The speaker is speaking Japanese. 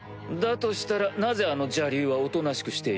としたらなぜあの邪竜はおとなしくしている？